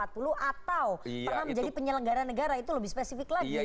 atau pernah menjadi penyelenggara negara itu lebih spesifik lagi